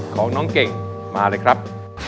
ของน้องเก่งมาเลยครับ